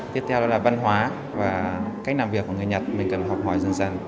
tiếp theo là văn hóa và cách làm việc của người nhật mình cần học hỏi dần dần